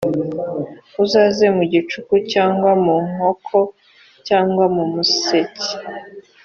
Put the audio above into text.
uzaze mu gicuku cyangwa mu nkoko cyangwa mumuseke